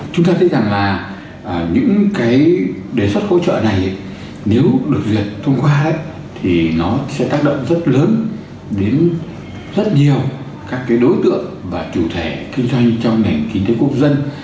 chúng ta thấy rằng là những cái đề xuất hỗ trợ này nếu được duyệt thông qua thì nó sẽ tác động rất lớn đến rất nhiều các đối tượng và chủ thể kinh doanh trong nền kinh tế quốc dân